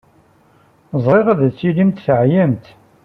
Ẓriɣ ad tilimt teɛyamt.